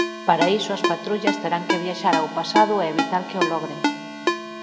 Para iso as patrullas terán que viaxar ao pasado e evitar que o logren.